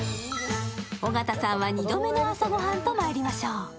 尾形さんは２度目の朝ご飯とまいりましょう。